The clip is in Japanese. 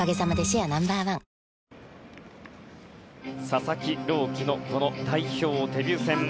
佐々木朗希の代表デビュー戦。